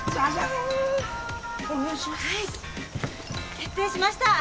決定しました。